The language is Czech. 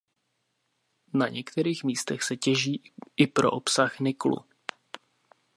Na některých místech se těží i pro obsah niklu.